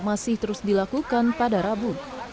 masih terus dilakukan pada rabu